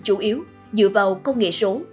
chủ yếu dựa vào công nghệ số